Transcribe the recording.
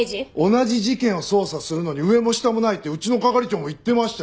同じ事件を捜査するのに上も下もないってうちの係長も言ってましたよ。